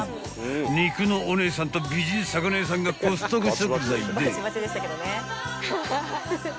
［肉のお姉さんと美人魚屋さんがコストコ食材で］